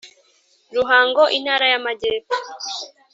Ruhango Intara y Amajyepfo